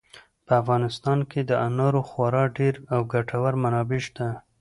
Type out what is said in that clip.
په افغانستان کې د انارو خورا ډېرې او ګټورې منابع شته.